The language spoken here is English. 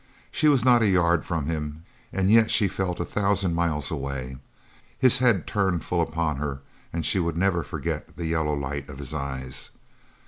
She was not a yard from him, and yet she felt a thousand miles away. His head turned full upon her, and she would never forget the yellow light of his eyes.